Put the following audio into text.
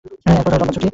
এক বছরের লম্বা ছুটি।